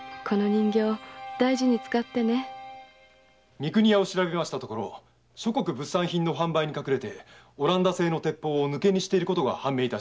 三国屋を調べましたところ物産品の販売に隠れオランダ製の鉄砲を抜け荷していることが判明しました。